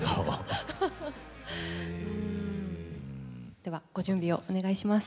ではご準備をお願いします。